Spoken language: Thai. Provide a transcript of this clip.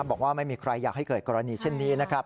บอกว่าไม่มีใครอยากให้เกิดกรณีเช่นนี้นะครับ